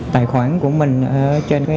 tài khoản của mình trên